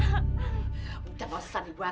sudah jangan di luar